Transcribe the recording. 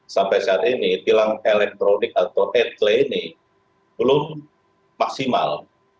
sampai saat ini tilang elektronik atau etle ini belum maksimal